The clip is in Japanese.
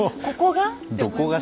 「ここが？」。